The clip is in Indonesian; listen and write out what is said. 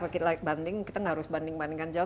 kita gak harus banding bandingkan jauh